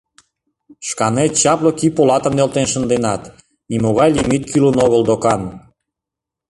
Шканет чапле кӱ полатым нӧлтен шынденат — нимогай лимит кӱлын огыл докан.